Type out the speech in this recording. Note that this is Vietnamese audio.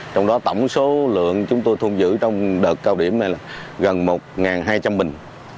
trong đó tổng số lượng chúng tôi thu giữ trong đợt cao điểm này là gần một hai trăm linh bình